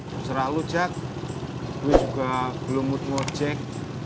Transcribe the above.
terserah lu jack gue juga belum mood mau cek